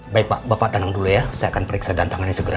baik pak bapak tenang dulu ya saya akan periksa dan tangan ini segera